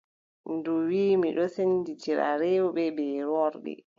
Ndu wii: mi ɗon sendindira rewɓe bee worɓe.